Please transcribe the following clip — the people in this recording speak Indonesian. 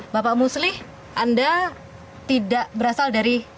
bapak muslih anda tidak berasal dari